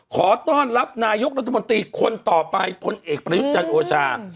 ขอต้อนรับนายกรัฐมนตรีคนต่อไปพลเอกประยุทธ์จันทร์โอชา